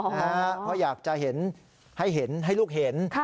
เพราะอยากจะให้ลูกเห็น